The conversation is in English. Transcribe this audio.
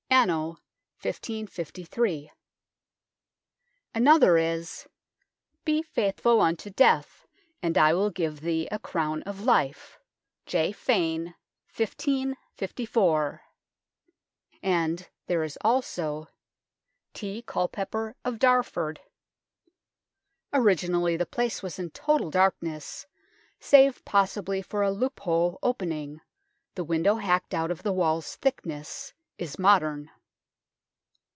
Anno 1553." Another is :" Be faithful unto deth, and I wil give the a crowne of life. J. Fane. 1554 "; and there is also, " T. Culpeper of Darford." Originally the place was in total darkness, save possibly for a loophole opening ; the window hacked out of the wall's thickness is modern.